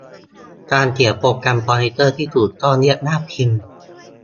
การเขียนโปรแกรมคอมพิวเตอร์ ที่ถูกต้องเรียกว่าพิมพ์